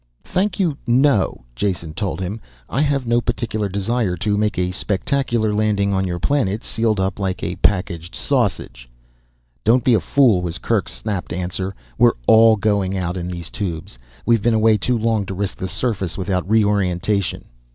"Thank you, no," Jason told him. "I have no particular desire to make a spectacular landing on your planet sealed up like a packaged sausage." "Don't be a fool," was Kerk's snapped answer. "We're all going out in these tubes. We've been away too long to risk the surface without reorientation."